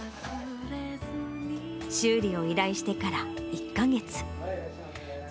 修理を依頼してから１か月。